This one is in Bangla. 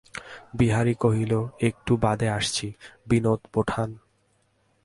বিহারী কহিল, একটু বাদে আসছি, বিনোদ-বোঠান।